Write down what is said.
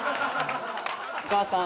お母さん。